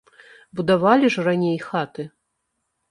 Будавалі ж раней хаты!